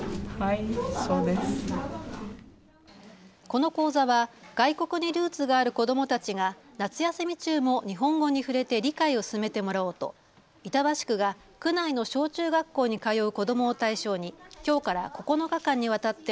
この講座は外国にルーツがある子どもたちが夏休み中も日本語に触れて理解を進めてもらおうと板橋区が区内の小中学校に通う子どもを対象にきょうから９日間にわたって